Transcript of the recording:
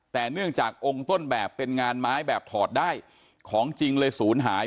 แต่เนื่องจากองค์ต้นแบบเป็นงานไม้แบบถอดได้ของจริงเลยศูนย์หาย